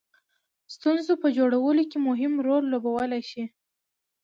ستونزو په جوړولو کې مهم رول لوبولای شي.